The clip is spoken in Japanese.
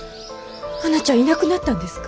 はなちゃんいなくなったんですか？